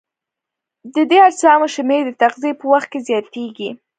د دې اجسامو شمېر د تغذیې په وخت کې زیاتیږي.